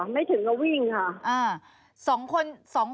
ไม่ถึงก็วิ่งค่ะ